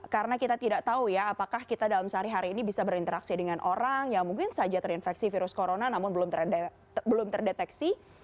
karena kita tidak tahu ya apakah kita dalam sehari hari ini bisa berinteraksi dengan orang yang mungkin saja terinfeksi virus corona namun belum terdeteksi